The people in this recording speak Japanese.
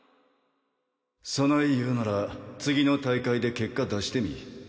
そない言うなら次の大会で結果出してみ。